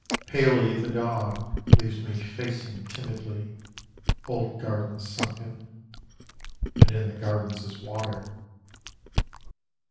Palely the dawn Leaves me facing timidly Old gardens sunken: And in the gardens is water.